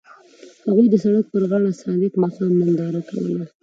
هغوی د سړک پر غاړه د صادق ماښام ننداره وکړه.